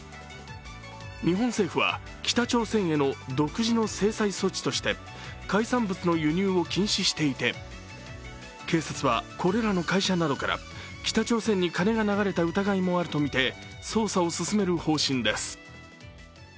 日本政府は北朝鮮への独自の制裁措置として海産物の輸入を禁止していて、警察は、これらの会社などから北朝鮮に金が流れた疑いもあるとみて捜査を進める方針です。